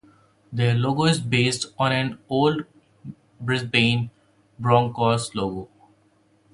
Their logo is based on an old Brisbane Broncos logo.